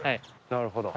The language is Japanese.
なるほど。